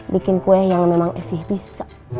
bikin kue yang memang masih bisa